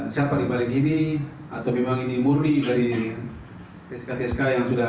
siapa dibalik ini atau memang ini murni dari tsk tsk yang sudah